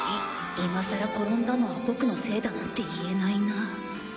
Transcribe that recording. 今さら転んだのはボクのせいだなんて言えないなあ